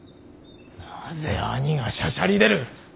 なぜ兄がしゃしゃり出る。